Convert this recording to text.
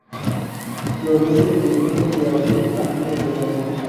Florece de fines de abril a fines de mayo.